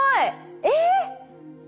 えっ！